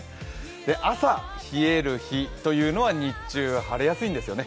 朝、冷える日というのは日中晴れやすいんですよね。